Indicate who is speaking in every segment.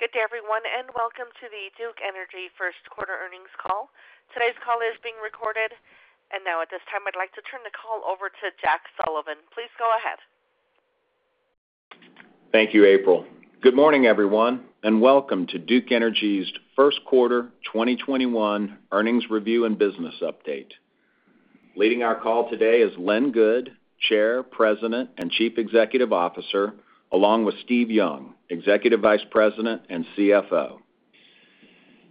Speaker 1: Good day, everyone, and welcome to the Duke Energy first quarter earnings call. Today's call is being recorded. Now at this time, I'd like to turn the call over to Jack Sullivan. Please go ahead.
Speaker 2: Thank you, April. Good morning, everyone, and welcome to Duke Energy's first quarter 2021 earnings review and business update. Leading our call today is Lynn Good, Chair, President, and Chief Executive Officer, along with Steve Young, Executive Vice President and CFO.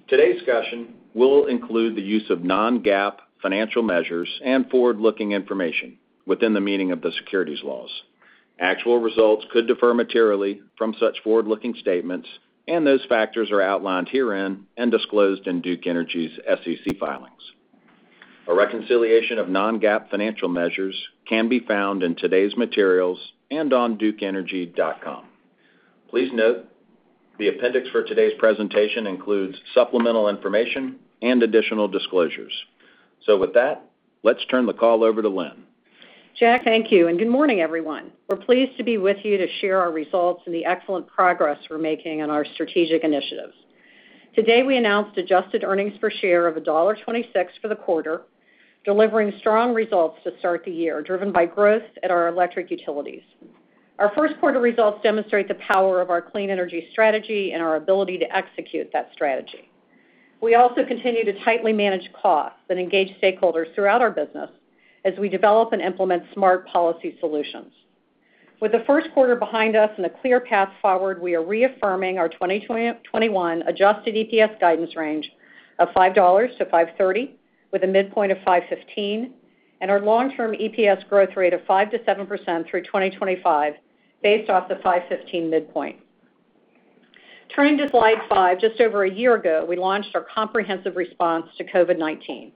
Speaker 2: Today's discussion will include the use of non-GAAP financial measures and forward-looking information within the meaning of the securities laws. Actual results could differ materially from such forward-looking statements, and those factors are outlined herein and disclosed in Duke Energy's SEC filings. A reconciliation of non-GAAP financial measures can be found in today's materials and on duke-energy.com. Please note the appendix for today's presentation includes supplemental information and additional disclosures. With that, let's turn the call over to Lynn.
Speaker 3: Jack, thank you. Good morning, everyone. We're pleased to be with you to share our results and the excellent progress we're making on our strategic initiatives. Today, we announced adjusted earnings per share of $1.26 for the quarter, delivering strong results to start the year, driven by growth at our electric utilities. Our first quarter results demonstrate the power of our clean energy strategy and our ability to execute that strategy. We also continue to tightly manage costs and engage stakeholders throughout our business as we develop and implement smart policy solutions. With the first quarter behind us and a clear path forward, we are reaffirming our 2021 adjusted EPS guidance range of $5-$5.30, with a midpoint of $5.15, and our long-term EPS growth rate of 5%-7% through 2025 based off the $5.15 midpoint. Turning to slide five, just over a year ago, we launched our comprehensive response to COVID-19.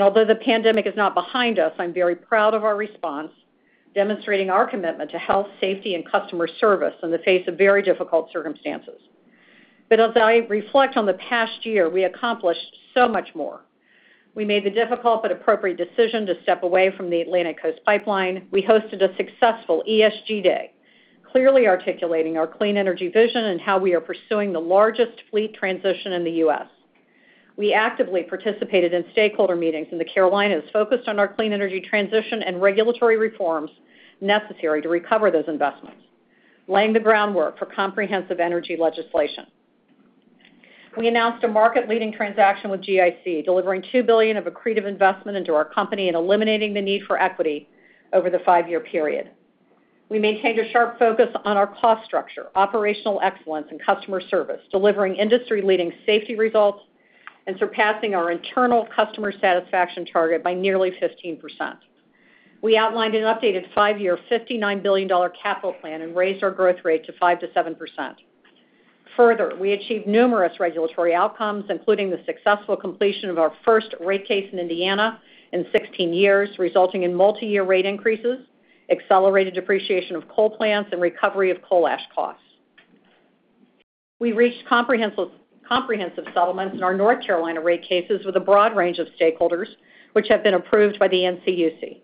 Speaker 3: Although the pandemic is not behind us, I'm very proud of our response, demonstrating our commitment to health, safety, and customer service in the face of very difficult circumstances. As I reflect on the past year, we accomplished so much more. We made the difficult but appropriate decision to step away from the Atlantic Coast Pipeline. We hosted a successful ESG Day, clearly articulating our clean energy vision and how we are pursuing the largest fleet transition in the U.S. We actively participated in stakeholder meetings in the Carolinas focused on our clean energy transition and regulatory reforms necessary to recover those investments, laying the groundwork for comprehensive energy legislation. We announced a market-leading transaction with GIC, delivering $2 billion of accretive investment into our company and eliminating the need for equity over the five-year period. We maintained a sharp focus on our cost structure, operational excellence, and customer service, delivering industry-leading safety results and surpassing our internal customer satisfaction target by nearly 15%. We outlined an updated five-year $59 billion capital plan and raised our growth rate to 5%-7%. Further, we achieved numerous regulatory outcomes, including the successful completion of our first rate case in Indiana in 16 years, resulting in multi-year rate increases, accelerated depreciation of coal plants, and recovery of coal ash costs. We reached comprehensive settlements in our North Carolina rate cases with a broad range of stakeholders, which have been approved by the NCUC.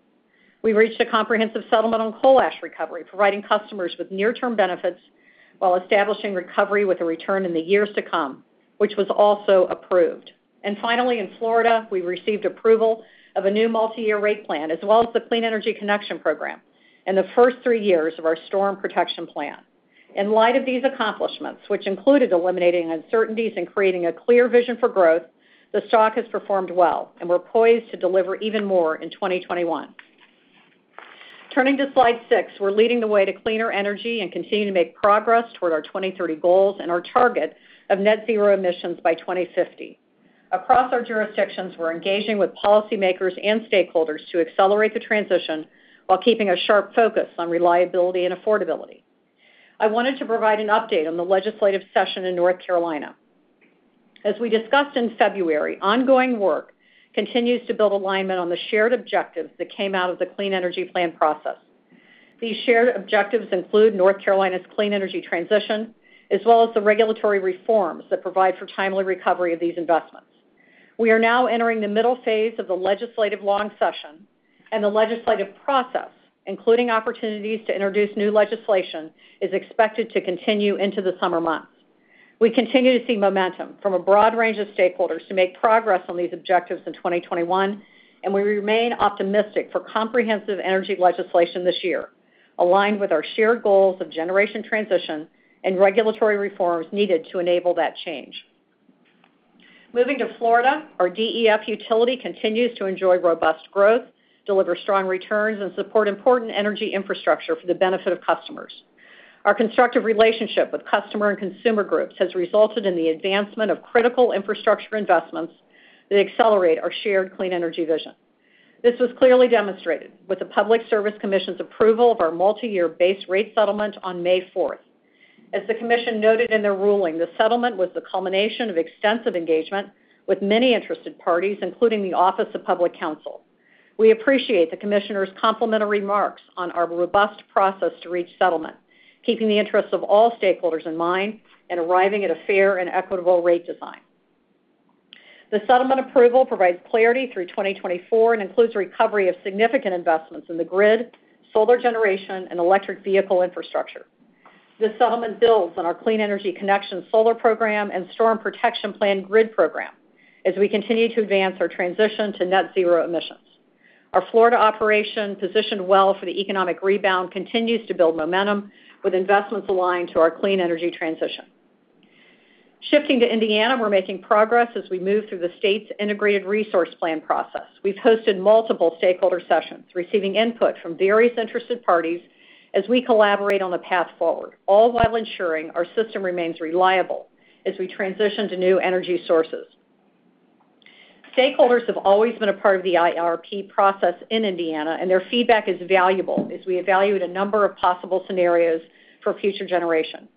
Speaker 3: We reached a comprehensive settlement on coal ash recovery, providing customers with near-term benefits while establishing recovery with a return in the years to come, which was also approved. Finally, in Florida, we received approval of a new multi-year rate plan, as well as the Clean Energy Connection program and the first 3 years of our Storm Protection Plan. In light of these accomplishments, which included eliminating uncertainties and creating a clear vision for growth, the stock has performed well, and we're poised to deliver even more in 2021. Turning to slide six, we're leading the way to cleaner energy and continuing to make progress toward our 2030 goals and our target of net zero emissions by 2050. Across our jurisdictions, we're engaging with policymakers and stakeholders to accelerate the transition while keeping a sharp focus on reliability and affordability. I wanted to provide an update on the legislative session in North Carolina. As we discussed in February, ongoing work continues to build alignment on the shared objectives that came out of the Clean Energy Plan process. These shared objectives include North Carolina's clean energy transition, as well as the regulatory reforms that provide for timely recovery of these investments. We are now entering the middle phase of the legislative long session, and the legislative process, including opportunities to introduce new legislation, is expected to continue into the summer months. We continue to see momentum from a broad range of stakeholders to make progress on these objectives in 2021, and we remain optimistic for comprehensive energy legislation this year, aligned with our shared goals of generation transition and regulatory reforms needed to enable that change. Moving to Florida, our DEF utility continues to enjoy robust growth, deliver strong returns, and support important energy infrastructure for the benefit of customers. Our constructive relationship with customer and consumer groups has resulted in the advancement of critical infrastructure investments that accelerate our shared clean energy vision. This was clearly demonstrated with the Public Service Commission's approval of our multi-year base rate settlement on May 4th. As the commission noted in their ruling, the settlement was the culmination of extensive engagement with many interested parties, including the Office of Public Counsel. We appreciate the commissioners' complimentary remarks on our robust process to reach settlement, keeping the interests of all stakeholders in mind and arriving at a fair and equitable rate design. The settlement approval provides clarity through 2024 and includes recovery of significant investments in the grid, solar generation, and electric vehicle infrastructure. This settlement builds on our Clean Energy Connection solar program and Storm Protection Plan grid program as we continue to advance our transition to net zero emissions. Our Florida operation, positioned well for the economic rebound, continues to build momentum with investments aligned to our clean energy transition. Shifting to Indiana, we're making progress as we move through the state's integrated resource plan process. We've hosted multiple stakeholder sessions, receiving input from various interested parties as we collaborate on the path forward, all while ensuring our system remains reliable as we transition to new energy sources. Stakeholders have always been a part of the IRP process in Indiana, and their feedback is valuable as we evaluate a number of possible scenarios for future generation.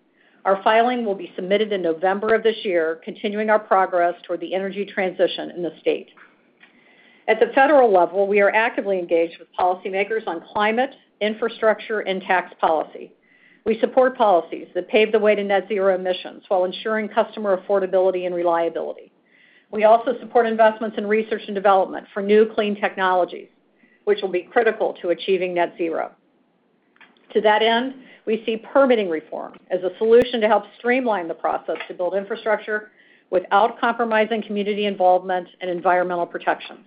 Speaker 3: Our filing will be submitted in November of this year, continuing our progress toward the energy transition in the state. At the federal level, we are actively engaged with policymakers on climate, infrastructure, and tax policy. We support policies that pave the way to net zero emissions while ensuring customer affordability and reliability. We also support investments in research and development for new clean technologies, which will be critical to achieving net zero. To that end, we see permitting reform as a solution to help streamline the process to build infrastructure without compromising community involvement and environmental protections.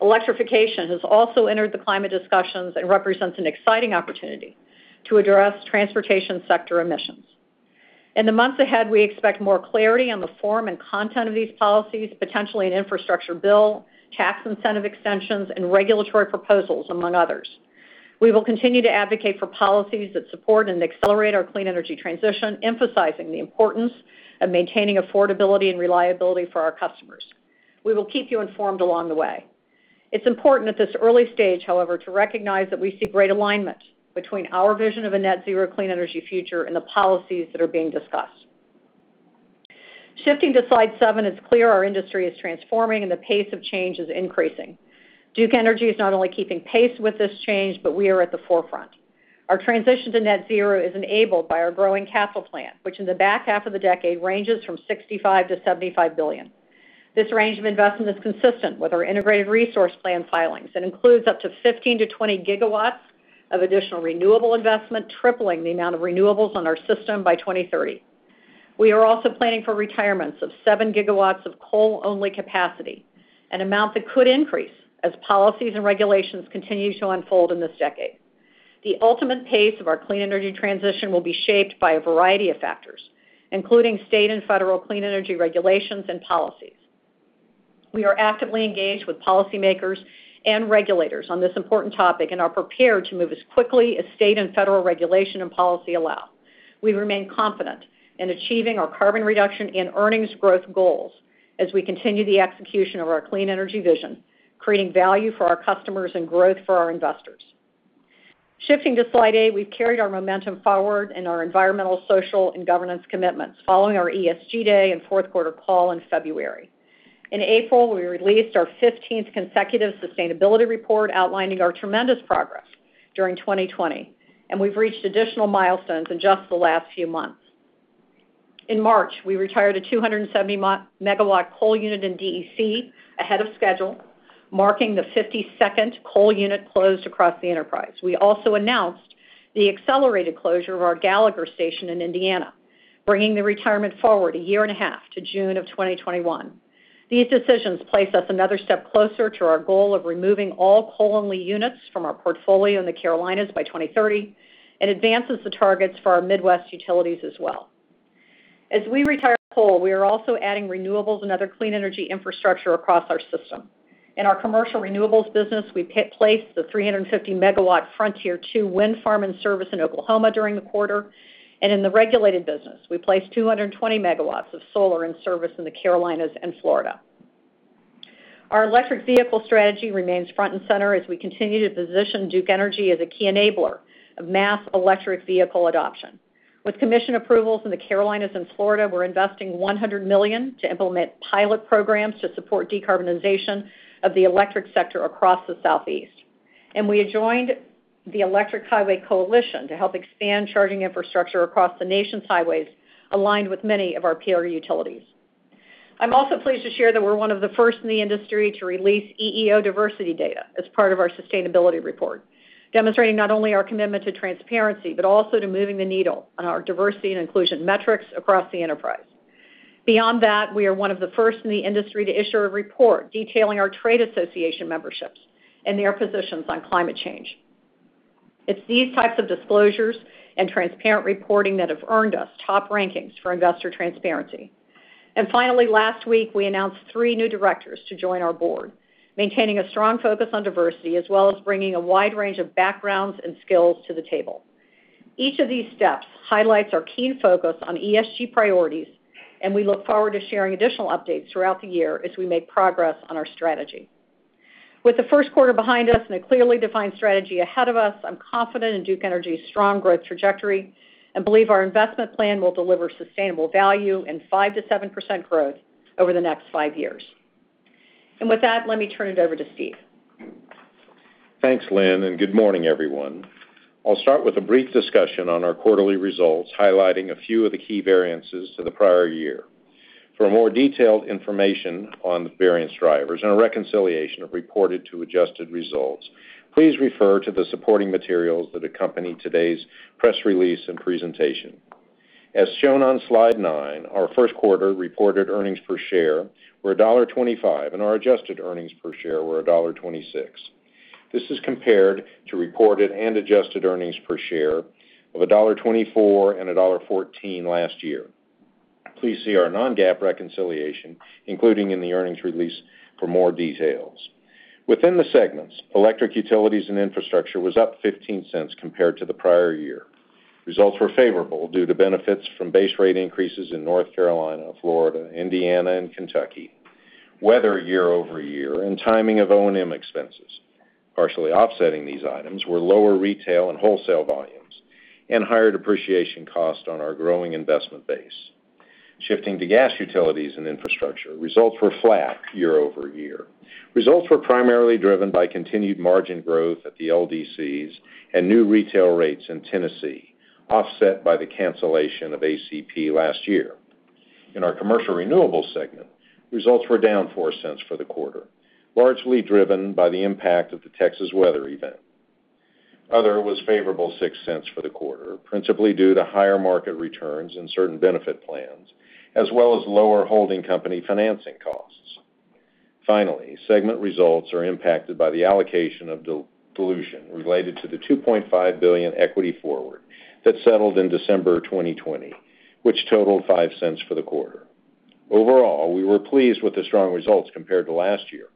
Speaker 3: Electrification has also entered the climate discussions and represents an exciting opportunity to address transportation sector emissions. In the months ahead, we expect more clarity on the form and content of these policies, potentially an infrastructure bill, tax incentive extensions, and regulatory proposals, among others. We will continue to advocate for policies that support and accelerate our clean energy transition, emphasizing the importance of maintaining affordability and reliability for our customers. We will keep you informed along the way. It's important at this early stage, however, to recognize that we see great alignment between our vision of a net zero clean energy future and the policies that are being discussed. Shifting to slide seven, it's clear our industry is transforming and the pace of change is increasing. Duke Energy is not only keeping pace with this change, but we are at the forefront. Our transition to net zero is enabled by our growing capital plan, which in the back half of the decade ranges from $65 billion-$75 billion. This range of investment is consistent with our integrated resource plan filings and includes up to 15-20 gigawatts of additional renewable investment, tripling the amount of renewables on our system by 2030. We are also planning for retirements of seven gigawatts of coal-only capacity, an amount that could increase as policies and regulations continue to unfold in this decade. The ultimate pace of our clean energy transition will be shaped by a variety of factors, including state and federal clean energy regulations and policies. We are actively engaged with policymakers and regulators on this important topic and are prepared to move as quickly as state and federal regulation and policy allow. We remain confident in achieving our carbon reduction and earnings growth goals as we continue the execution of our clean energy vision, creating value for our customers and growth for our investors. Shifting to slide eight, we've carried our momentum forward in our environmental, social, and governance commitments following our ESG Day and fourth quarter call in February. In April, we released our 15th consecutive sustainability report outlining our tremendous progress during 2020, and we've reached additional milestones in just the last few months. In March, we retired a 270-megawatt coal unit in DEC ahead of schedule, marking the 52nd coal unit closed across the enterprise. We also announced the accelerated closure of our Gallagher station in Indiana, bringing the retirement forward a year and a half to June of 2021. These decisions place us another step closer to our goal of removing all coal-only units from our portfolio in the Carolinas by 2030 and advances the targets for our Midwest utilities as well. As we retire coal, we are also adding renewables and other clean energy infrastructure across our system. In our commercial renewables business, we placed the 350-megawatt Frontier Windpower II wind farm in service in Oklahoma during the quarter, and in the regulated business, we placed 220 megawatts of solar in service in the Carolinas and Florida. Our electric vehicle strategy remains front and center as we continue to position Duke Energy as a key enabler of mass electric vehicle adoption. With commission approvals in the Carolinas and Florida, we're investing $100 million to implement pilot programs to support decarbonization of the electric sector across the Southeast. We adjoined the Electric Highway Coalition to help expand charging infrastructure across the nation's highways aligned with many of our peer utilities. I'm also pleased to share that we're one of the first in the industry to release EEO diversity data as part of our sustainability report, demonstrating not only our commitment to transparency, but also to moving the needle on our diversity and inclusion metrics across the enterprise. Beyond that, we are one of the first in the industry to issue a report detailing our trade association memberships and their positions on climate change. It's these types of disclosures and transparent reporting that have earned us top rankings for investor transparency. Finally, last week, we announced three new directors to join our board, maintaining a strong focus on diversity as well as bringing a wide range of backgrounds and skills to the table. Each of these steps highlights our keen focus on ESG priorities. We look forward to sharing additional updates throughout the year as we make progress on our strategy. With the first quarter behind us and a clearly defined strategy ahead of us, I'm confident in Duke Energy's strong growth trajectory and believe our investment plan will deliver sustainable value and 5% to 7% growth over the next five years. With that, let me turn it over to Steve.
Speaker 4: Thanks, Lynn, and good morning, everyone. I'll start with a brief discussion on our quarterly results, highlighting a few of the key variances to the prior year. For more detailed information on the variance drivers and a reconciliation of reported to adjusted results, please refer to the supporting materials that accompany today's press release and presentation. As shown on slide nine, our first quarter reported earnings per share were $1.25. Our adjusted earnings per share were $1.26. This is compared to reported and adjusted earnings per share of $1.24 and $1.14 last year. Please see our non-GAAP reconciliation, including in the earnings release for more details. Within the segments, Electric Utilities and Infrastructure was up $0.15 compared to the prior year. Results were favorable due to benefits from base rate increases in North Carolina, Florida, Indiana, and Kentucky, weather year-over-year, and timing of O&M expenses. Partially offsetting these items were lower retail and wholesale volumes and higher depreciation cost on our growing investment base. Shifting to gas utilities and infrastructure, results were flat year-over-year. Results were primarily driven by continued margin growth at the LDCs and new retail rates in Tennessee, offset by the cancellation of ACP last year. In our commercial renewables segment, results were down $0.04 for the quarter, largely driven by the impact of the Texas weather event. Other was favorable $0.06 for the quarter, principally due to higher market returns in certain benefit plans, as well as lower holding company financing costs. Finally, segment results are impacted by the allocation of dilution related to the $2.5 billion equity forward that settled in December 2020, which totaled $0.05 for the quarter. Overall, we were pleased with the strong results compared to last year,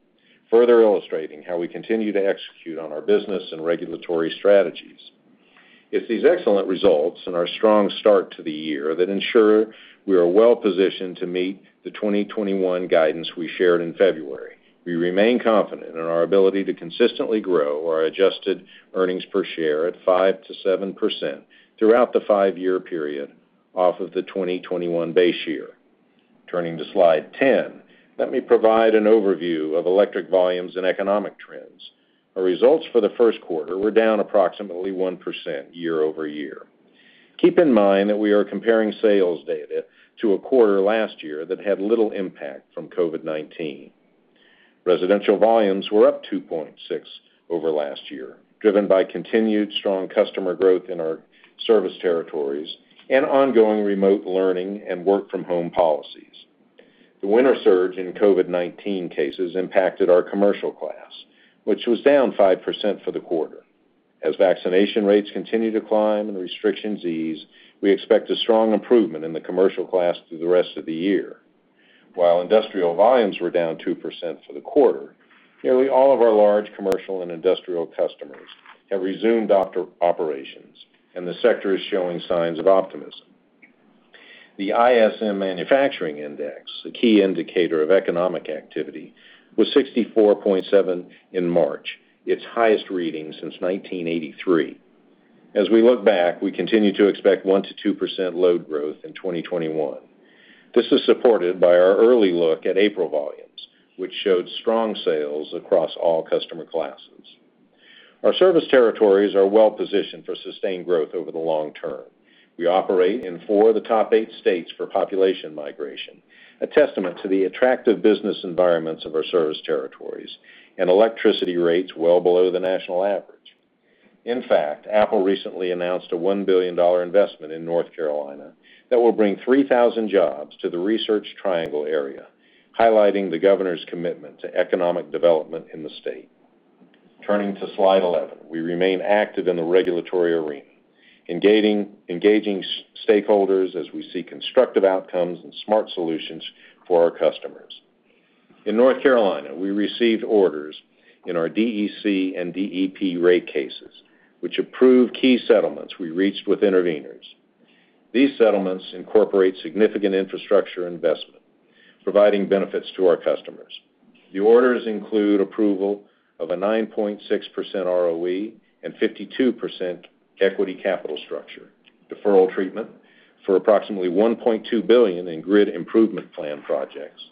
Speaker 4: further illustrating how we continue to execute on our business and regulatory strategies. It's these excellent results and our strong start to the year that ensure we are well-positioned to meet the 2021 guidance we shared in February. We remain confident in our ability to consistently grow our adjusted earnings per share at 5%-7% throughout the five-year period off of the 2021 base year. Turning to slide 10, let me provide an overview of electric volumes and economic trends. Our results for the first quarter were down approximately 1% year-over-year. Keep in mind that we are comparing sales data to a quarter last year that had little impact from COVID-19. Residential volumes were up 2.6% over last year, driven by continued strong customer growth in our service territories and ongoing remote learning and work from home policies. The winter surge in COVID-19 cases impacted our commercial class, which was down 5% for the quarter. As vaccination rates continue to climb and restrictions ease, we expect a strong improvement in the commercial class through the rest of the year. While industrial volumes were down 2% for the quarter, nearly all of our large commercial and industrial customers have resumed operations, and the sector is showing signs of optimism. The ISM Manufacturing Index, a key indicator of economic activity, was 64.7 in March, its highest reading since 1983. As we look back, we continue to expect 1%-2% load growth in 2021. This is supported by our early look at April volumes, which showed strong sales across all customer classes. Our service territories are well-positioned for sustained growth over the long term. We operate in four of the top eight states for population migration, a testament to the attractive business environments of our service territories and electricity rates well below the national average. In fact, Apple recently announced a $1 billion investment in North Carolina that will bring 3,000 jobs to the Research Triangle area, highlighting the governor's commitment to economic development in the state. Turning to slide 11. We remain active in the regulatory arena, engaging stakeholders as we see constructive outcomes and smart solutions for our customers. In North Carolina, we received orders in our DEC and DEP rate cases, which approved key settlements we reached with interveners. These settlements incorporate significant infrastructure investment, providing benefits to our customers. The orders include approval of a 9.6% ROE and 52% equity capital structure, deferral treatment for approximately $1.2 billion in grid improvement plan projects,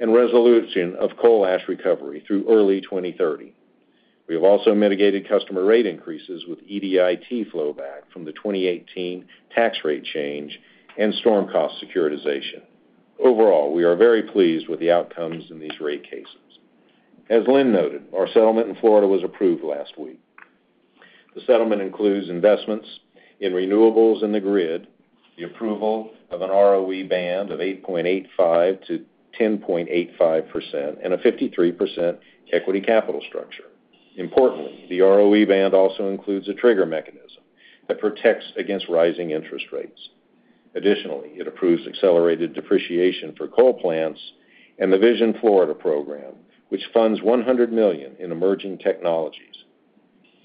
Speaker 4: and resolution of coal ash recovery through early 2030. We have also mitigated customer rate increases with EDIT flow back from the 2018 tax rate change and storm cost securitization. Overall, we are very pleased with the outcomes in these rate cases. As Lynn noted, our settlement in Florida was approved last week. The settlement includes investments in renewables in the grid, the approval of an ROE band of 8.85%-10.85%, and a 53% equity capital structure. Importantly, the ROE band also includes a trigger mechanism that protects against rising interest rates. Additionally, it approves accelerated depreciation for coal plants and the Vision Florida program, which funds $100 million in emerging technologies.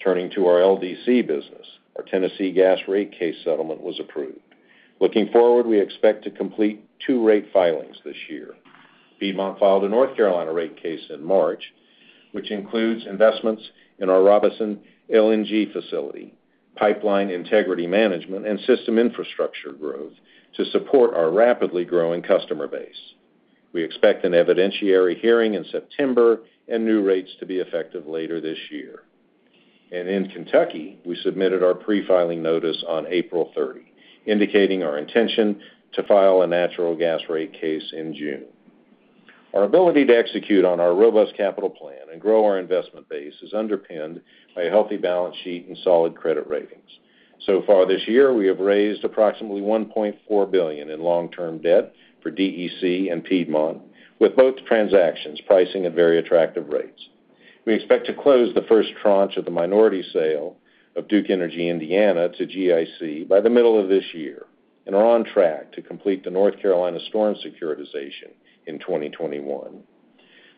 Speaker 4: Turning to our LDC business, our Tennessee gas rate case settlement was approved. Looking forward, we expect to complete two rate filings this year. Piedmont filed a North Carolina rate case in March, which includes investments in our Robeson LNG facility, pipeline integrity management, and system infrastructure growth to support our rapidly growing customer base. We expect an evidentiary hearing in September and new rates to be effective later this year. In Kentucky, we submitted our pre-filing notice on April 30, indicating our intention to file a natural gas rate case in June. Our ability to execute on our robust capital plan and grow our investment base is underpinned by a healthy balance sheet and solid credit ratings. Far this year, we have raised approximately $1.4 billion in long-term debt for DEC and Piedmont, with both transactions pricing at very attractive rates. We expect to close the first tranche of the minority sale of Duke Energy Indiana to GIC by the middle of this year and are on track to complete the North Carolina storm securitization in 2021.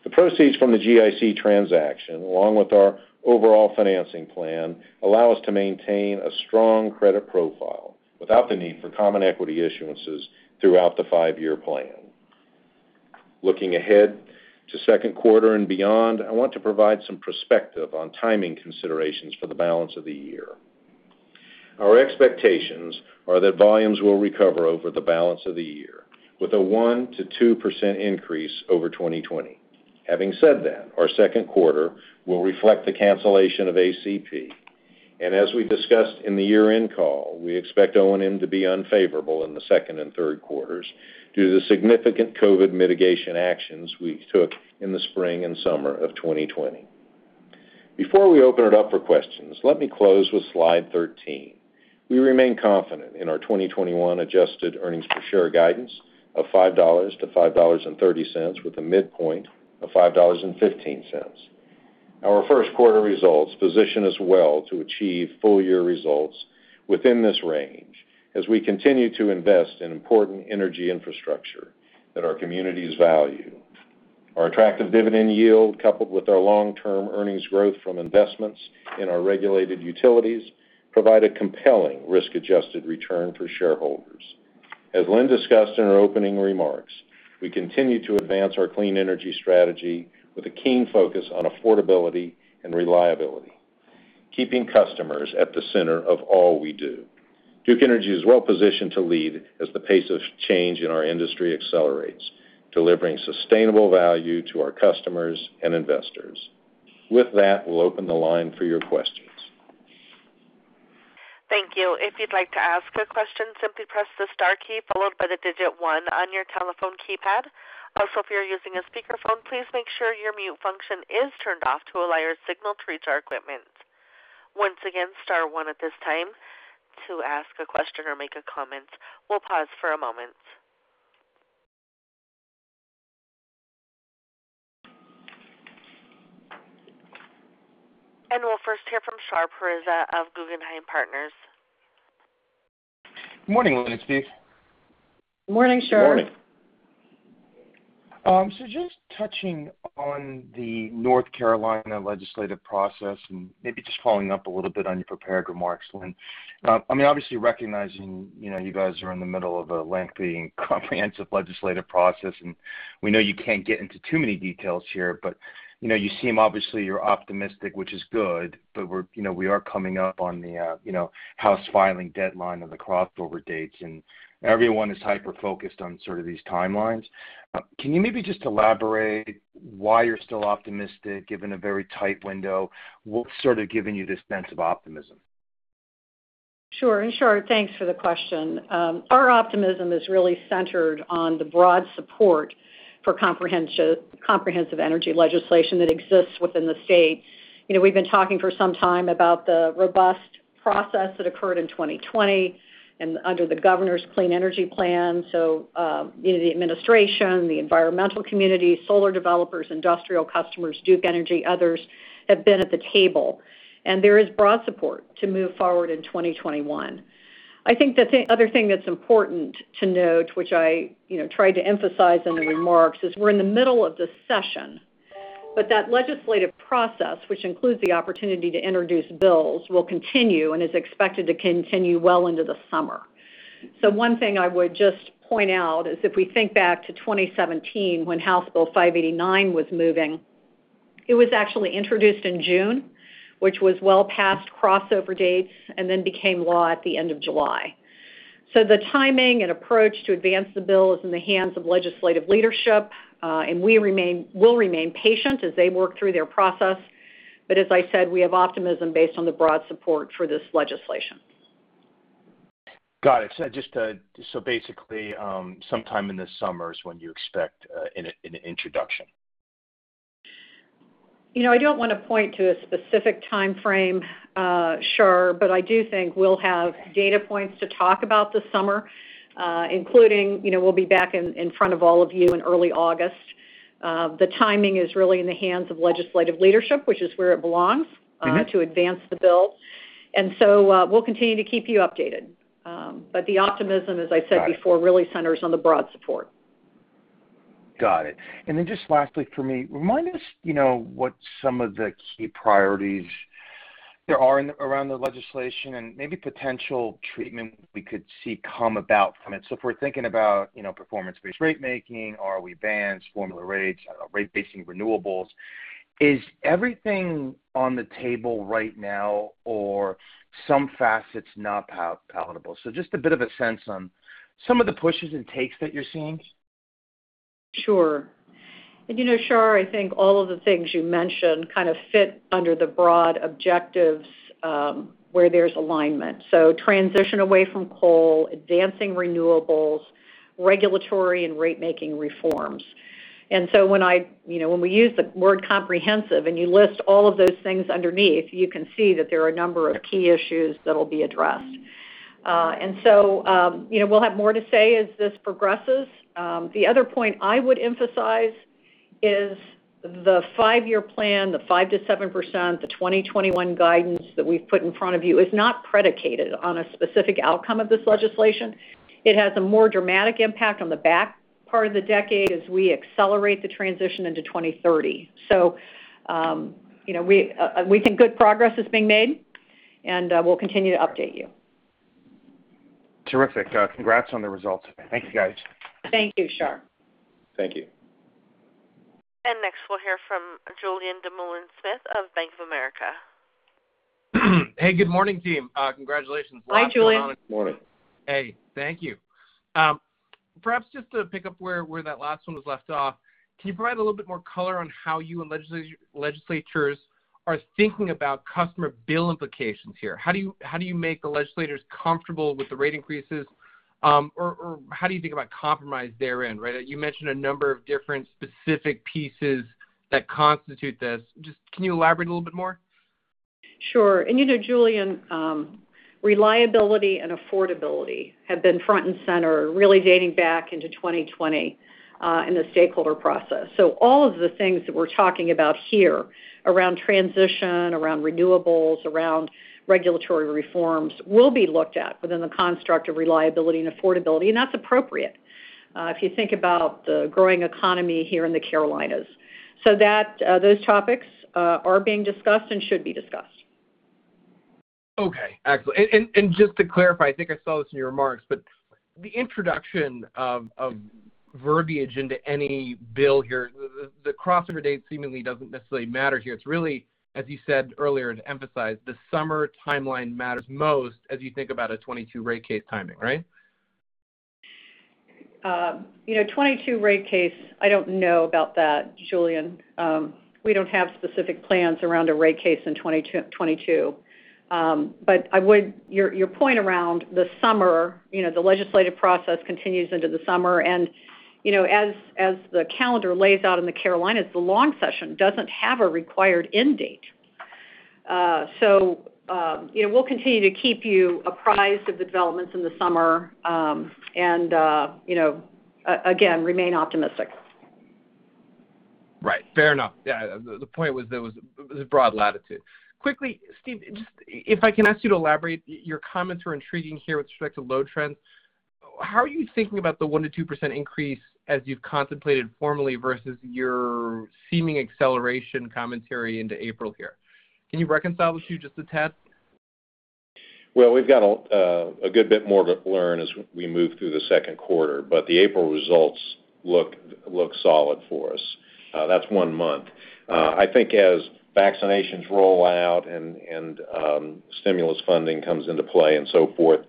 Speaker 4: The proceeds from the GIC transaction, along with our overall financing plan, allow us to maintain a strong credit profile without the need for common equity issuances throughout the five-year plan. Looking ahead to second quarter and beyond, I want to provide some perspective on timing considerations for the balance of the year. Our expectations are that volumes will recover over the balance of the year with a 1%-2% increase over 2020. Having said that, our second quarter will reflect the cancellation of ACP. As we discussed in the year-end call, we expect O&M to be unfavorable in the second and third quarters due to the significant COVID mitigation actions we took in the spring and summer of 2020. Before we open it up for questions, let me close with slide 13. We remain confident in our 2021 adjusted earnings per share guidance of $5-$5.30, with a midpoint of $5.15. Our first quarter results position us well to achieve full-year results within this range as we continue to invest in important energy infrastructure that our communities value. Our attractive dividend yield, coupled with our long-term earnings growth from investments in our regulated utilities, provide a compelling risk-adjusted return for shareholders. As Lynn discussed in her opening remarks, we continue to advance our clean energy strategy with a keen focus on affordability and reliability, keeping customers at the center of all we do. Duke Energy is well-positioned to lead as the pace of change in our industry accelerates, delivering sustainable value to our customers and investors. With that, we'll open the line for your questions.
Speaker 1: Thank you. If you'd like to ask a question, simply press the star key followed by the digit 1 on your telephone keypad. If you're using a speakerphone, please make sure your mute function is turned off to allow your signal to reach our equipment. Once again, star one at this time to ask a question or make a comment. We'll pause for a moment. We'll first hear from Shar Pourreza of Guggenheim Partners.
Speaker 5: Morning, Lynn and Steve.
Speaker 4: Morning, Shar.
Speaker 5: Morning. Just touching on the North Carolina legislative process and maybe just following up a little bit on your prepared remarks, Lynn. Obviously recognizing you guys are in the middle of a lengthy and comprehensive legislative process, and we know you can't get into too many details here, but you seem, obviously, you're optimistic, which is good, but we are coming up on the House filing deadline and the crossover dates, and everyone is hyper-focused on sort of these timelines. Can you maybe just elaborate why you're still optimistic given a very tight window? What's sort of giving you this sense of optimism?
Speaker 3: Sure, Shar, thanks for the question. Our optimism is really centered on the broad support for comprehensive energy legislation that exists within the state. We've been talking for some time about the robust process that occurred in 2020 and under the governor's Clean Energy Plan. The administration, the environmental community, solar developers, industrial customers, Duke Energy, others have been at the table, and there is broad support to move forward in 2021. I think the other thing that's important to note, which I tried to emphasize in the remarks, is we're in the middle of the session, but that legislative process, which includes the opportunity to introduce bills, will continue and is expected to continue well into the summer. One thing I would just point out is if we think back to 2017 when House Bill 589 was moving, it was actually introduced in June, which was well past crossover dates, and then became law at the end of July. The timing and approach to advance the bill is in the hands of legislative leadership, and we'll remain patient as they work through their process. As I said, we have optimism based on the broad support for this legislation.
Speaker 5: Got it. Basically, sometime in the summer is when you expect an introduction.
Speaker 3: I don't want to point to a specific timeframe, Shar, but I do think we'll have data points to talk about this summer, including we'll be back in front of all of you in early August. The timing is really in the hands of legislative leadership, which is where it belongs. to advance the bill. We'll continue to keep you updated. The optimism, as I said before.
Speaker 5: Got it. really centers on the broad support. Got it. Just lastly for me, remind us what some of the key priorities there are around the legislation and maybe potential treatment we could see come about from it. If we're thinking about performance-based rate making, ROE bands, formula rates, rate basing renewables. Is everything on the table right now or some facets not palatable? Just a bit of a sense on some of the pushes and takes that you're seeing.
Speaker 3: Sure. Shar, I think all of the things you mentioned kind of fit under the broad objectives, where there's alignment. Transition away from coal, advancing renewables, regulatory and rate-making reforms. When we use the word comprehensive and you list all of those things underneath, you can see that there are a number of key issues that'll be addressed. We'll have more to say as this progresses. The other point I would emphasize is the five-year plan, the 5%-7%, the 2021 guidance that we've put in front of you is not predicated on a specific outcome of this legislation. It has a more dramatic impact on the back part of the decade as we accelerate the transition into 2030. We think good progress is being made, and we'll continue to update you.
Speaker 5: Terrific. Congrats on the results. Thank you, guys.
Speaker 3: Thank you, Shar.
Speaker 4: Thank you.
Speaker 1: Next we'll hear from Julien Dumoulin-Smith of Bank of America.
Speaker 6: Hey, good morning, team. Congratulations.
Speaker 3: Hi, Julian.
Speaker 4: Morning.
Speaker 6: Hey, thank you. Perhaps just to pick up where that last one was left off, can you provide a little bit more color on how you and legislators are thinking about customer bill implications here? How do you make the legislators comfortable with the rate increases? How do you think about compromise therein, right? You mentioned a number of different specific pieces that constitute this. Can you elaborate a little bit more?
Speaker 3: Sure. Julian, reliability and affordability have been front and center, really dating back into 2020, in the stakeholder process. All of the things that we're talking about here around transition, around renewables, around regulatory reforms, will be looked at within the construct of reliability and affordability, and that's appropriate, if you think about the growing economy here in the Carolinas. Those topics are being discussed and should be discussed.
Speaker 6: Okay. Excellent. Just to clarify, I think I saw this in your remarks, the introduction of verbiage into any bill here, the crossover date seemingly doesn't necessarily matter here. It's really, as you said earlier and emphasized, the summer timeline matters most as you think about a 2022 rate case timing, right?
Speaker 3: 2022 rate case, I don't know about that, Julian. We don't have specific plans around a rate case in 2022. Your point around the summer, the legislative process continues into the summer and, as the calendar lays out in the Carolinas, the long session doesn't have a required end date. We'll continue to keep you apprised of developments in the summer, and again, remain optimistic.
Speaker 6: Right. Fair enough. Yeah. The point was there was a broad latitude. Quickly, Steve, if I can ask you to elaborate, your comments were intriguing here with respect to load trends. How are you thinking about the 1%-2% increase as you've contemplated formally versus your seeming acceleration commentary into April here? Can you reconcile those two just a tad?
Speaker 4: Well, we've got a good bit more to learn as we move through the second quarter. The April results look solid for us. That's one month. I think as vaccinations roll out and stimulus funding comes into play and so forth,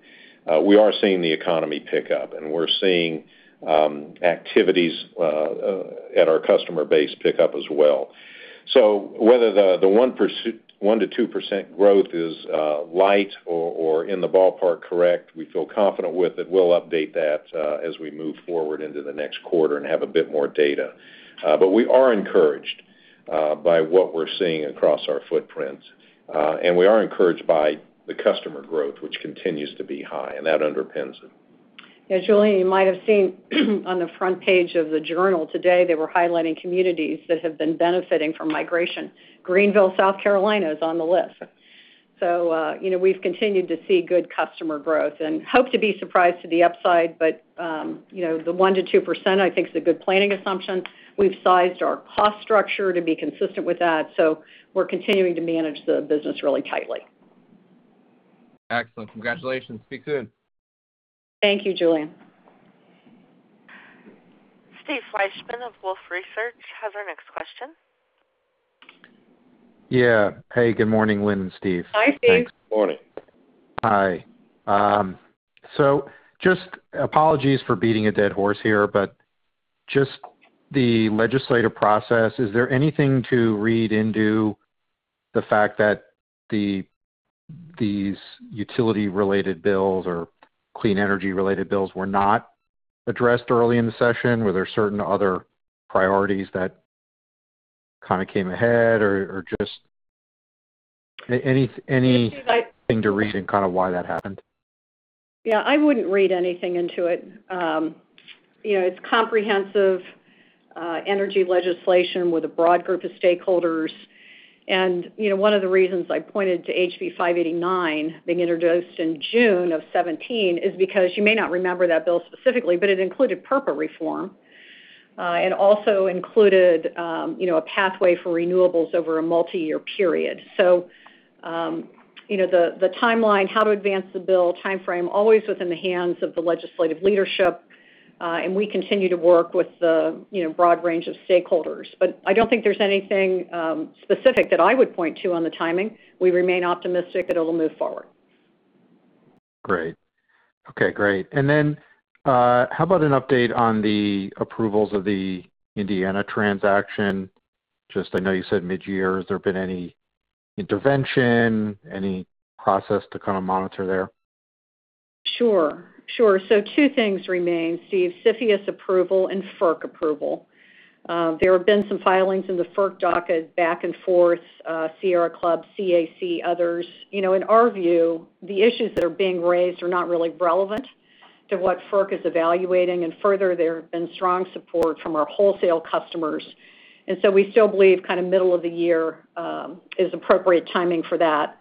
Speaker 4: we are seeing the economy pick up, and we're seeing activities at our customer base pick up as well. Whether the 1% to 2% growth is light or in the ballpark correct, we feel confident with it. We'll update that as we move forward into the next quarter and have a bit more data. We are encouraged by what we're seeing across our footprint. We are encouraged by the customer growth, which continues to be high, and that underpins it.
Speaker 3: Yeah, Julian, you might have seen on the front page of the journal today, they were highlighting communities that have been benefiting from migration. Greenville, South Carolina is on the list. We've continued to see good customer growth and hope to be surprised to the upside, but the 1%-2% I think is a good planning assumption. We've sized our cost structure to be consistent with that, so we're continuing to manage the business really tightly.
Speaker 6: Excellent. Congratulations. Speak soon.
Speaker 3: Thank you, Julien.
Speaker 1: Steve Fleishman of Wolfe Research has our next question.
Speaker 7: Yeah. Hey, good morning, Lynn and Steve.
Speaker 3: Hi, Steve.
Speaker 4: Morning.
Speaker 7: Hi. Just apologies for beating a dead horse here, but just the legislative process, is there anything to read into the fact that these utility-related bills or clean energy-related bills were not addressed early in the session? Were there certain other priorities that kind of came ahead?
Speaker 3: Steve,
Speaker 7: -thing to read in kind of why that happened?
Speaker 3: Yeah, I wouldn't read anything into it. It's comprehensive energy legislation with a broad group of stakeholders. One of the reasons I pointed to HB 589 being introduced in June of 2017 is because you may not remember that bill specifically, but it included PURPA reform, and also included a pathway for renewables over a multi-year period. The timeline, how to advance the bill timeframe always was in the hands of the legislative leadership. We continue to work with the broad range of stakeholders. I don't think there's anything specific that I would point to on the timing. We remain optimistic that it'll move forward.
Speaker 7: Great. Okay, great. How about an update on the approvals of the Indiana transaction? Just I know you said mid-year. Has there been any intervention, any process to kind of monitor there?
Speaker 3: Sure. Two things remain, Steve, CFIUS approval and FERC approval. There have been some filings in the FERC docket back and forth, Sierra Club, CAC, others. In our view, the issues that are being raised are not really relevant to what FERC is evaluating. Further, there have been strong support from our wholesale customers. We still believe kind of middle of the year is appropriate timing for that.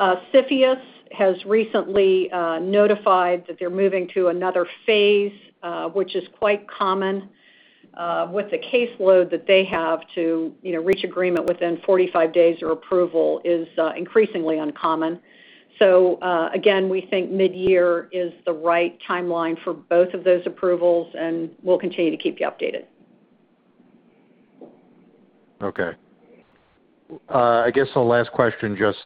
Speaker 3: CFIUS has recently notified that they're moving to another phase, which is quite common. With the caseload that they have to reach agreement within 45 days for approval is increasingly uncommon. Again, we think mid-year is the right timeline for both of those approvals, and we'll continue to keep you updated.
Speaker 7: Okay. I guess the last question, just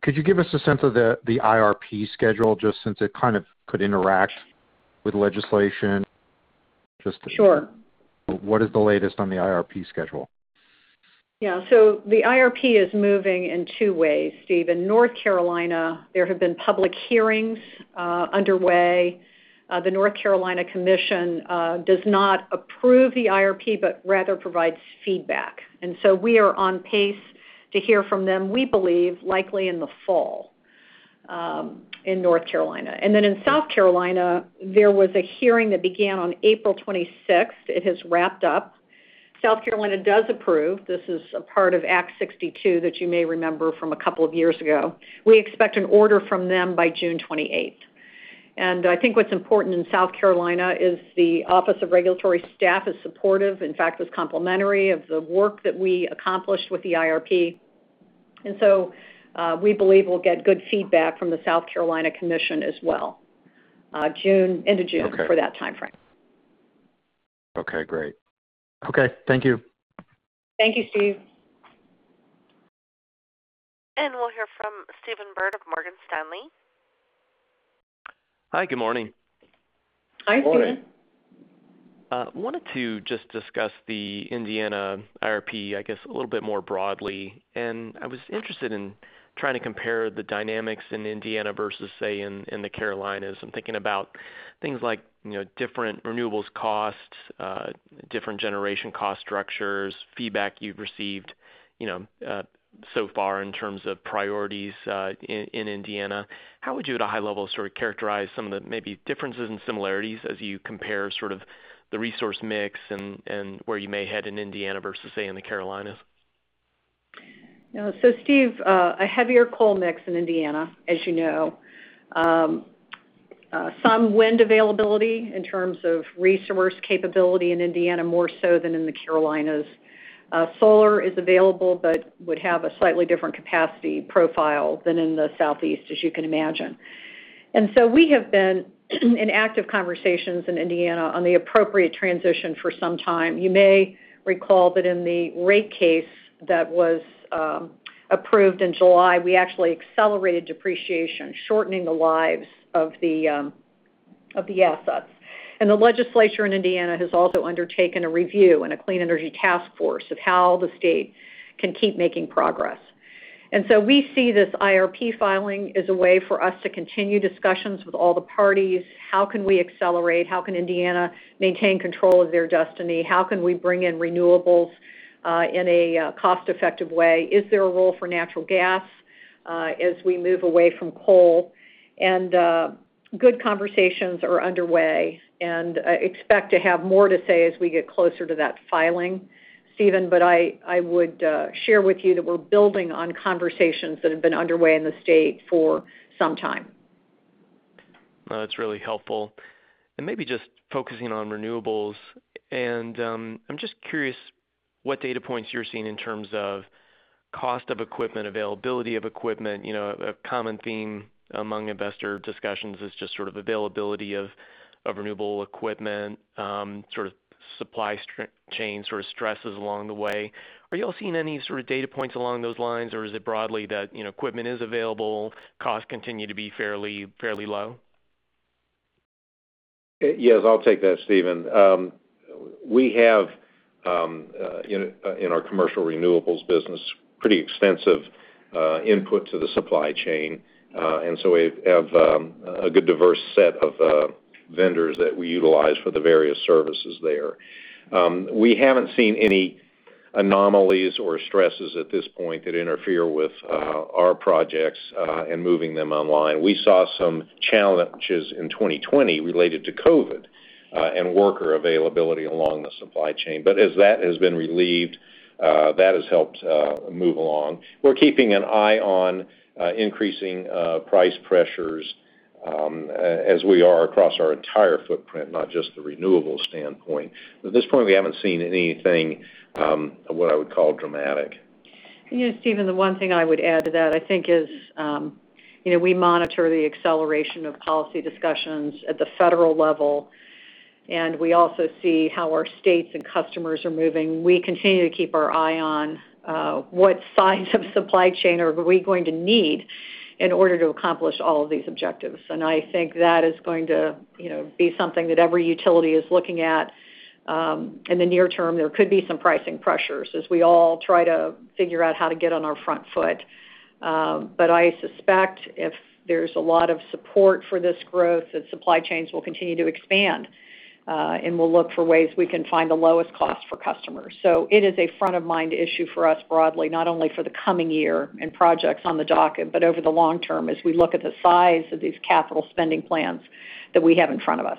Speaker 7: could you give us a sense of the IRP schedule, just since it kind of could interact with legislation?
Speaker 3: Sure.
Speaker 7: What is the latest on the IRP schedule?
Speaker 3: The IRP is moving in two ways, Steve. In North Carolina, there have been public hearings underway. The North Carolina Commission does not approve the IRP, but rather provides feedback. We are on pace to hear from them, we believe likely in the fall in North Carolina. In South Carolina, there was a hearing that began on April 26th. It has wrapped up. South Carolina does approve. This is a part of Act 62 that you may remember from a couple of years ago. We expect an order from them by June 28th. I think what's important in South Carolina is the Office of Regulatory Staff is supportive, in fact, was complimentary of the work that we accomplished with the IRP. We believe we'll get good feedback from the South Carolina Commission as well. End of June for that timeframe.
Speaker 7: Okay, great. Okay. Thank you.
Speaker 3: Thank you, Steve.
Speaker 1: We'll hear from Stephen Byrd of Morgan Stanley.
Speaker 8: Hi, good morning.
Speaker 3: Hi, Stephen.
Speaker 8: Wanted to just discuss the Indiana IRP, I guess, a little bit more broadly. I was interested in trying to compare the dynamics in Indiana versus, say, in the Carolinas. I'm thinking about things like different renewables costs, different generation cost structures, feedback you've received so far in terms of priorities in Indiana. How would you, at a high level, sort of characterize some of the maybe differences and similarities as you compare sort of the resource mix and where you may head in Indiana versus, say, in the Carolinas?
Speaker 3: Steve, a heavier coal mix in Indiana, as you know. Some wind availability in terms of resource capability in Indiana, more so than in the Carolinas. Solar is available, but would have a slightly different capacity profile than in the Southeast, as you can imagine. We have been in active conversations in Indiana on the appropriate transition for some time. You may recall that in the rate case that was approved in July, we actually accelerated depreciation, shortening the lives of the assets. The legislature in Indiana has also undertaken a review and a clean energy task force of how the state can keep making progress. We see this IRP filing as a way for us to continue discussions with all the parties. How can we accelerate? How can Indiana maintain control of their destiny? How can we bring in renewables in a cost-effective way? Is there a role for natural gas as we move away from coal? Good conversations are underway, and I expect to have more to say as we get closer to that filing, Stephen. I would share with you that we're building on conversations that have been underway in the state for some time.
Speaker 8: That's really helpful. Maybe just focusing on renewables, I'm just curious what data points you're seeing in terms of cost of equipment, availability of equipment. A common theme among investor discussions is just sort of availability of renewable equipment, sort of supply chain sort of stresses along the way. Are you all seeing any sort of data points along those lines? Is it broadly that equipment is available, costs continue to be fairly low?
Speaker 4: Yes, I'll take that, Stephen. We have in our commercial renewables business, pretty extensive input to the supply chain. We have a good diverse set of vendors that we utilize for the various services there. We haven't seen any anomalies or stresses at this point that interfere with our projects and moving them online. We saw some challenges in 2020 related to COVID and worker availability along the supply chain. As that has been relieved, that has helped move along. We're keeping an eye on increasing price pressures as we are across our entire footprint, not just the renewable standpoint. At this point, we haven't seen anything what I would call dramatic.
Speaker 3: Stephen, the one thing I would add to that, I think is we monitor the acceleration of policy discussions at the federal level, and we also see how our states and customers are moving. We continue to keep our eye on what signs of supply chain are we going to need in order to accomplish all of these objectives. I think that is going to be something that every utility is looking at. In the near term, there could be some pricing pressures as we all try to figure out how to get on our front foot. I suspect if there's a lot of support for this growth, that supply chains will continue to expand, and we'll look for ways we can find the lowest cost for customers. It is a front-of-mind issue for us broadly, not only for the coming year and projects on the docket, but over the long term as we look at the size of these capital spending plans that we have in front of us.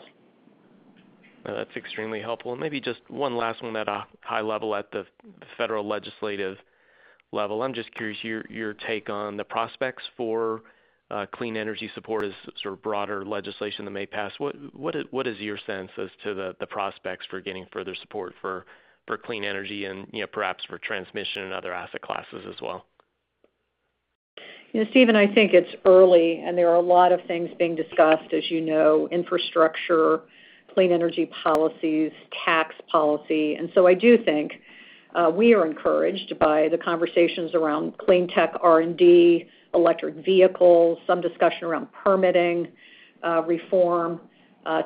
Speaker 8: That's extremely helpful. Maybe just one last one at a high level at the federal legislative level. I'm just curious your take on the prospects for clean energy support as sort of broader legislation that may pass. What is your sense as to the prospects for getting further support for clean energy and perhaps for transmission and other asset classes as well?
Speaker 3: Stephen, I think it's early, and there are a lot of things being discussed, as you know, infrastructure, clean energy policies, tax policy. I do think we are encouraged by the conversations around clean tech R&D, electric vehicles, some discussion around permitting reform,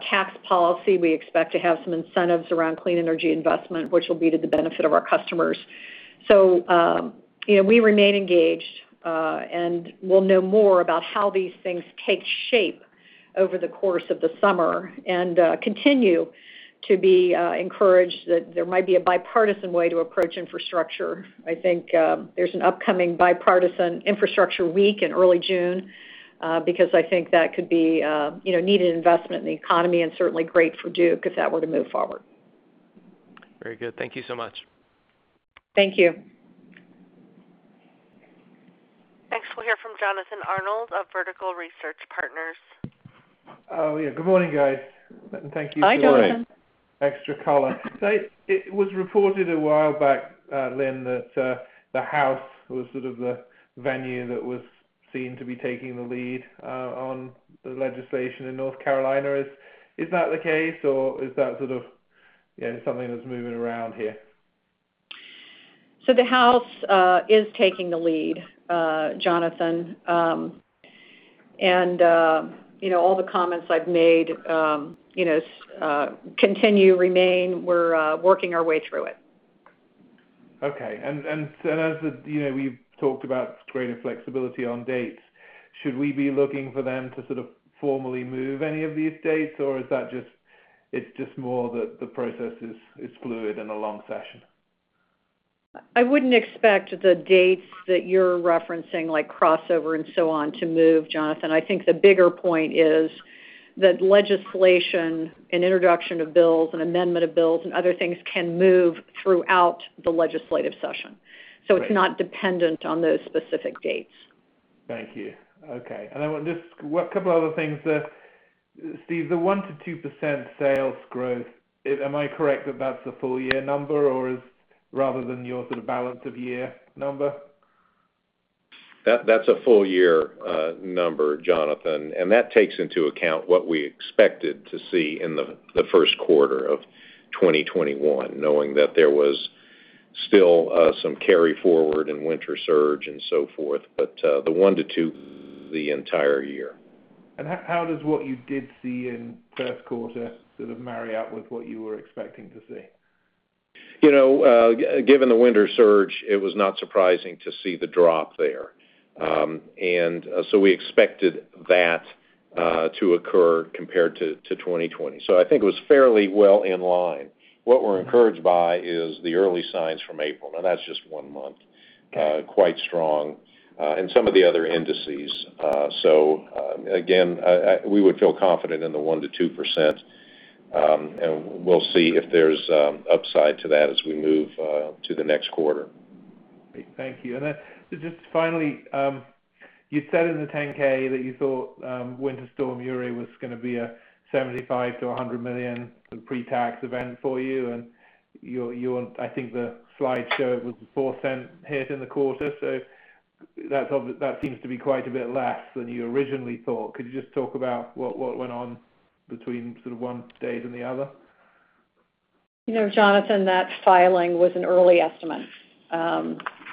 Speaker 3: tax policy. We expect to have some incentives around clean energy investment, which will be to the benefit of our customers. We remain engaged, and we'll know more about how these things take shape over the course of the summer. Continue to be encouraged that there might be a bipartisan way to approach infrastructure. I think there's an upcoming bipartisan infrastructure week in early June, because I think that could be a needed investment in the economy and certainly great for Duke if that were to move forward.
Speaker 8: Very good. Thank you so much.
Speaker 3: Thank you.
Speaker 1: Next, we'll hear from Jonathan Arnold of Vertical Research Partners.
Speaker 9: Oh, yeah. Good morning, guys.
Speaker 3: Hi, Jonathan.
Speaker 9: extra color. It was reported a while back, Lynn, that the House was sort of the venue that was seen to be taking the lead on the legislation in North Carolina. Is that the case, or is that sort of something that's moving around here?
Speaker 3: The House is taking the lead, Jonathan. All the comments I've made continue, remain. We're working our way through it.
Speaker 9: Okay. As you know, we've talked about greater flexibility on dates. Should we be looking for them to sort of formally move any of these dates, or is that just more that the process is fluid and a long session?
Speaker 3: I wouldn't expect the dates that you're referencing, like crossover and so on, to move, Jonathan. I think the bigger point is that legislation and introduction of bills and amendment of bills and other things can move throughout the legislative session.
Speaker 9: Right.
Speaker 3: It's not dependent on those specific dates.
Speaker 9: Thank you. Okay. I want just a couple other things there. Steve, the 1%-2% sales growth, am I correct that that's the full year number or is rather than your sort of balance of year number?
Speaker 4: That's a full year number, Jonathan, that takes into account what we expected to see in the first quarter of 2021, knowing that there was still some carry forward and winter surge and so forth. The one to two, the entire year.
Speaker 9: How does what you did see in first quarter sort of marry up with what you were expecting to see?
Speaker 4: Given the winter surge, it was not surprising to see the drop there. We expected that to occur compared to 2020. I think it was fairly well in line. What we're encouraged by is the early signs from April, now that's just one month, quite strong, and some of the other indices. Again, we would feel confident in the 1%-2%, and we'll see if there's upside to that as we move to the next quarter.
Speaker 9: Great. Thank you. Just finally, you said in the 10-K that you thought Winter Storm Uri was going to be a $75 million-$100 million in pre-tax event for you, I think the slide showed it was a $0.04 hit in the quarter. That seems to be quite a bit less than you originally thought. Could you just talk about what went on between sort of one date and the other?
Speaker 3: Jonathan, that filing was an early estimate.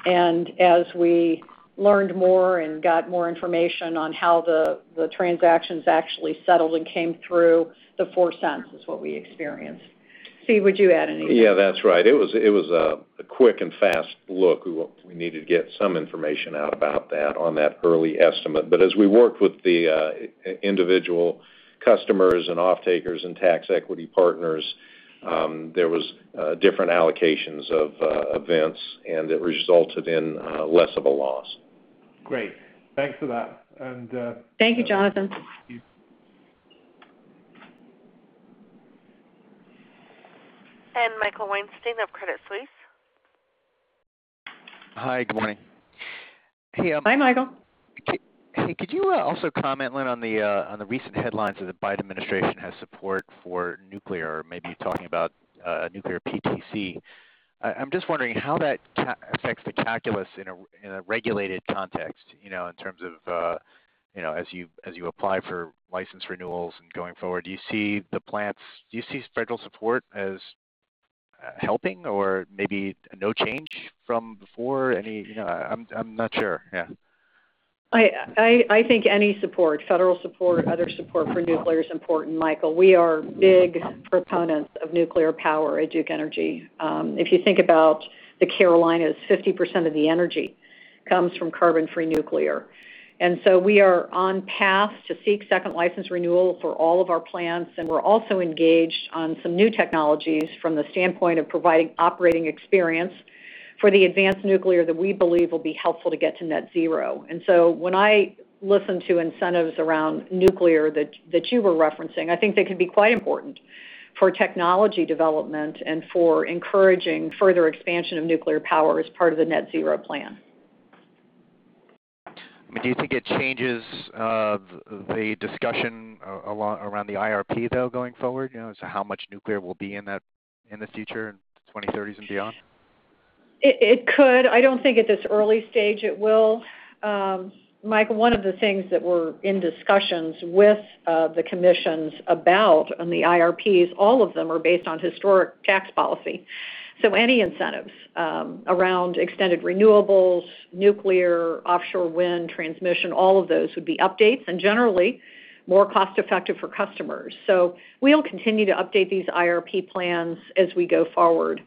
Speaker 3: As we learned more and got more information on how the transactions actually settled and came through, the $0.04 is what we experienced. Steve, would you add anything?
Speaker 4: Yeah, that's right. It was a quick and fast look. We needed to get some information out about that on that early estimate. As we worked with the individual customers and offtakers and tax equity partners, there was different allocations of events, and it resulted in less of a loss.
Speaker 9: Great. Thanks for that.
Speaker 3: Thank you, Jonathan.
Speaker 9: thank you.
Speaker 1: Michael Weinstein of Credit Suisse.
Speaker 10: Hi, good morning.
Speaker 3: Hi, Michael.
Speaker 10: Hey, could you also comment, Lynn, on the recent headlines that the Biden administration has support for nuclear or maybe talking about nuclear PTC? I'm just wondering how that affects the calculus in a regulated context, in terms of as you apply for license renewals and going forward. Do you see federal support as helping or maybe no change from before? I'm not sure. Yeah.
Speaker 3: I think any support, federal support, other support for nuclear is important, Michael. We are big proponents of nuclear power at Duke Energy. If you think about the Carolinas, 50% of the energy comes from carbon-free nuclear. So we are on path to seek second license renewal for all of our plants, and we're also engaged on some new technologies from the standpoint of providing operating experience for the advanced nuclear that we believe will be helpful to get to net zero. So when I listen to incentives around nuclear that you were referencing, I think they can be quite important for technology development and for encouraging further expansion of nuclear power as part of the net zero plan.
Speaker 10: Do you think it changes the discussion around the IRP, though, going forward, as to how much nuclear will be in the future, in 2030s and beyond?
Speaker 3: It could. I don't think at this early stage it will. Michael, one of the things that we're in discussions with the commissions about on the IRPs, all of them are based on historic tax policy. Any incentives around extended renewables, nuclear, offshore wind, transmission, all of those would be updates and generally more cost-effective for customers. We'll continue to update these IRP plans as we go forward.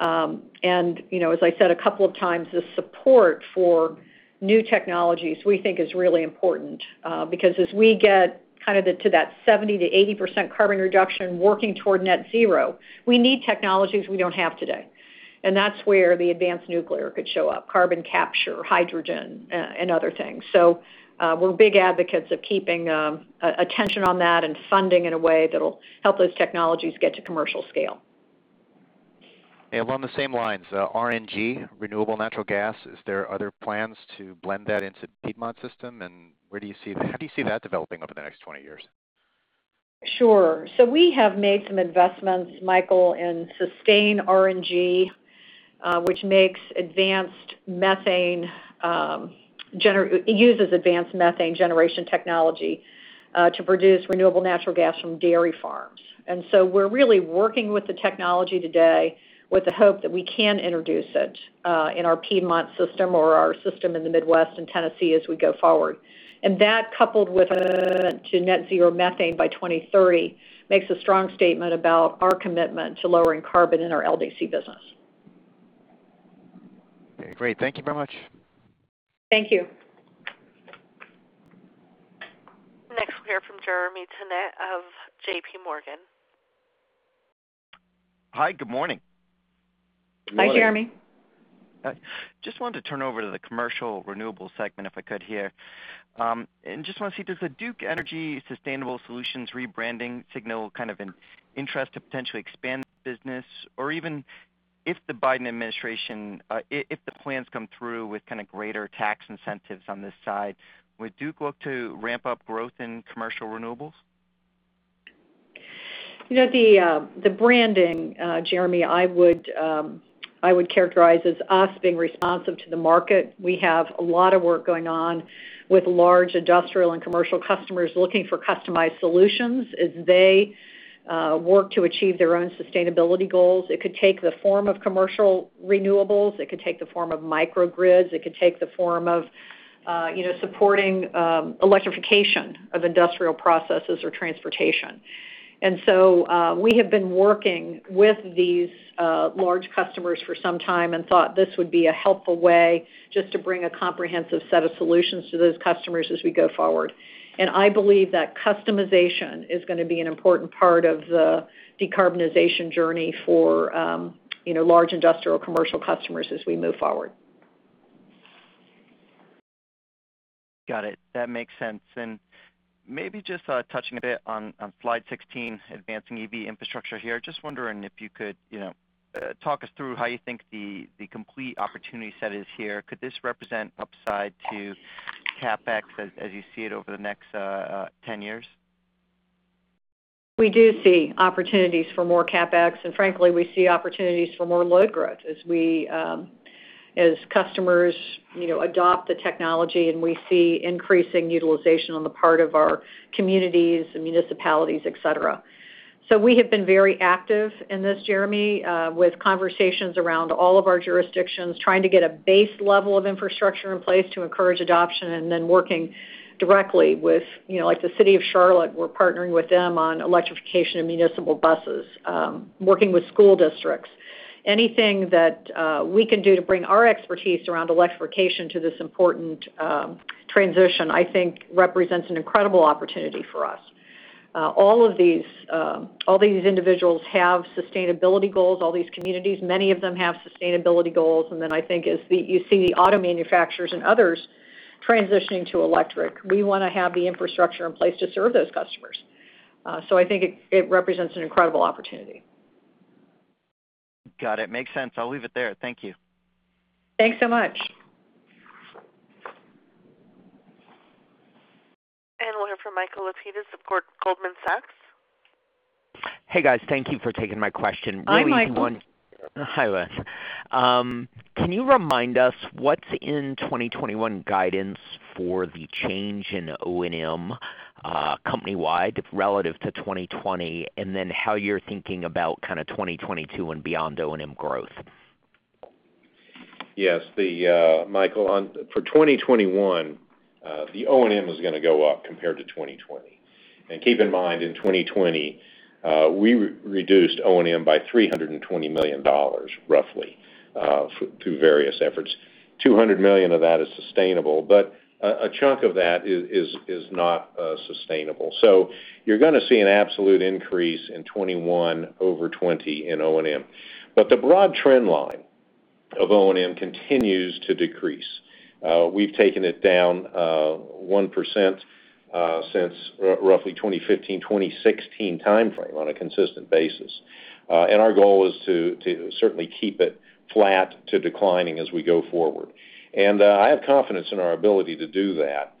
Speaker 3: As I said a couple of times, the support for new technologies we think is really important because as we get to that 70% to 80% carbon reduction working toward net zero, we need technologies we don't have today, and that's where the advanced nuclear could show up, carbon capture, hydrogen, and other things. We're big advocates of keeping attention on that and funding in a way that'll help those technologies get to commercial scale.
Speaker 10: Along the same lines, RNG, renewable natural gas, is there other plans to blend that into the Piedmont system? How do you see that developing over the next 20 years?
Speaker 3: Sure. We have made some investments, Michael, in SustainRNG, which uses advanced methane generation technology to produce renewable natural gas from dairy farms. We're really working with the technology today with the hope that we can introduce it in our Piedmont system or our system in the Midwest and Tennessee as we go forward. That, coupled with a commitment to net zero methane by 2030, makes a strong statement about our commitment to lowering carbon in our LDC business.
Speaker 10: Okay, great. Thank you very much.
Speaker 3: Thank you.
Speaker 1: Next we'll hear from Jeremy Tonet of JP Morgan.
Speaker 11: Hi, good morning.
Speaker 3: Hi, Jeremy.
Speaker 11: Just wanted to turn over to the commercial renewables segment if I could here. Just want to see, does the Duke Energy Sustainable Solutions rebranding signal kind of an interest to potentially expand the business? Even if the Biden administration, if the plans come through with kind of greater tax incentives on this side, would Duke look to ramp up growth in commercial renewables?
Speaker 3: The branding, Jeremy, I would characterize as us being responsive to the market. We have a lot of work going on with large industrial and commercial customers looking for customized solutions as they work to achieve their own sustainability goals. It could take the form of commercial renewables. It could take the form of microgrids. It could take the form of supporting electrification of industrial processes or transportation. We have been working with these large customers for some time and thought this would be a helpful way just to bring a comprehensive set of solutions to those customers as we go forward. I believe that customization is going to be an important part of the decarbonization journey for large industrial commercial customers as we move forward.
Speaker 11: Got it. That makes sense. Maybe just touching a bit on slide 16, advancing EV infrastructure here. Just wondering if you could talk us through how you think the complete opportunity set is here. Could this represent upside to CapEx as you see it over the next 10 years?
Speaker 3: We do see opportunities for more CapEx, and frankly, we see opportunities for more load growth as customers adopt the technology and we see increasing utilization on the part of our communities and municipalities, et cetera. We have been very active in this, Jeremy, with conversations around all of our jurisdictions, trying to get a base level of infrastructure in place to encourage adoption, and then working directly with, like the City of Charlotte, we're partnering with them on electrification of municipal buses, working with school districts. Anything that we can do to bring our expertise around electrification to this important transition, I think represents an incredible opportunity for us. All these individuals have sustainability goals. All these communities, many of them have sustainability goals. I think as you see the auto manufacturers and others transitioning to electric, we want to have the infrastructure in place to serve those customers. I think it represents an incredible opportunity.
Speaker 11: Got it. Makes sense. I'll leave it there. Thank you.
Speaker 3: Thanks so much.
Speaker 1: We'll hear from Michael Lapides of Goldman Sachs.
Speaker 12: Hey, guys. Thank you for taking my question.
Speaker 3: Hi, Michael.
Speaker 12: Hi, Lynn. Can you remind us what's in 2021 guidance for the change in O&M company-wide relative to 2020, and then how you're thinking about kind of 2022 and beyond O&M growth?
Speaker 4: Yes, Michael, for 2021, the O&M is going to go up compared to 2020. Keep in mind, in 2020, we reduced O&M by $320 million, roughly, through various efforts. $200 million of that is sustainable, a chunk of that is not sustainable. You're going to see an absolute increase in 2021 over 2020 in O&M. The broad trend line of O&M continues to decrease. We've taken it down 1% since roughly 2015, 2016 timeframe on a consistent basis. Our goal is to certainly keep it flat to declining as we go forward. I have confidence in our ability to do that.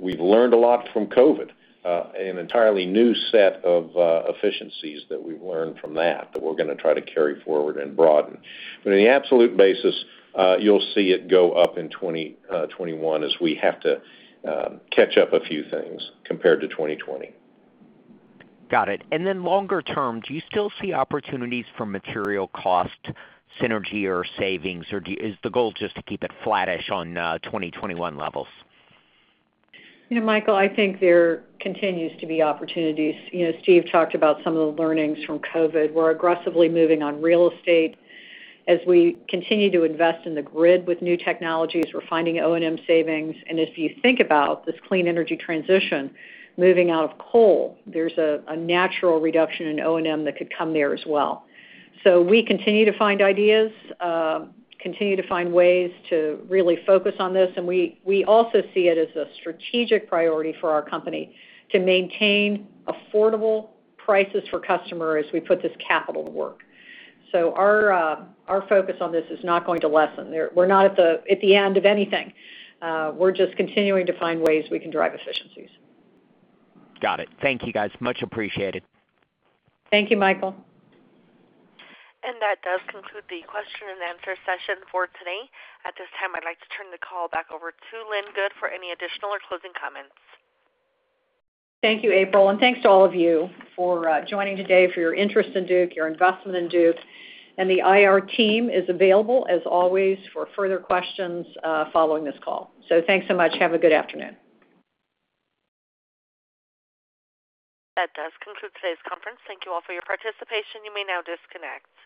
Speaker 4: We've learned a lot from COVID, an entirely new set of efficiencies that we've learned from that we're going to try to carry forward and broaden. In the absolute basis, you'll see it go up in 2021 as we have to catch up a few things compared to 2020.
Speaker 12: Got it. Then longer term, do you still see opportunities for material cost synergy or savings, or is the goal just to keep it flattish on 2021 levels?
Speaker 3: Michael, I think there continues to be opportunities. Steve talked about some of the learnings from COVID. We're aggressively moving on real estate. As we continue to invest in the grid with new technologies, we're finding O&M savings. If you think about this clean energy transition, moving out of coal, there's a natural reduction in O&M that could come there as well. We continue to find ideas, continue to find ways to really focus on this. We also see it as a strategic priority for our company to maintain affordable prices for customers as we put this capital to work. Our focus on this is not going to lessen. We're not at the end of anything. We're just continuing to find ways we can drive efficiencies.
Speaker 12: Got it. Thank you, guys. Much appreciated.
Speaker 3: Thank you, Michael.
Speaker 1: That does conclude the question and answer session for today. At this time, I'd like to turn the call back over to Lynn Good for any additional or closing comments.
Speaker 3: Thank you, April. Thanks to all of you for joining today, for your interest in Duke, your investment in Duke. The IR team is available, as always, for further questions following this call. Thanks so much. Have a good afternoon.
Speaker 1: That does conclude today's conference. Thank you all for your participation. You may now disconnect.